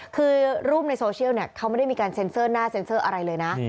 คือรูปในโซเชียลเขาไม่ได้มีการเซ็นเซอร์หน้าเซ็นเซอร์อะไรเลยนะ